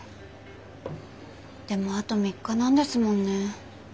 でもあと３日なんですもんね。